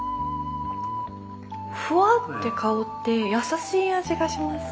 ふわって香ってやさしい味がします